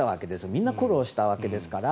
みんな苦労したわけですから。